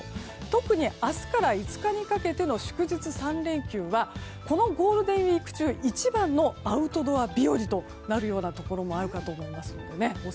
特に明日から５日にかけての祝日３連休はこのゴールデンウィーク中一番のアウトドア日和となるようなところもあるかと思います。